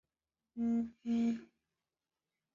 Premiada varias veces por su trabajo.